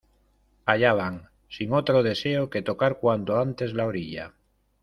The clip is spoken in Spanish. allá van, sin otro deseo que tocar cuanto antes la orilla.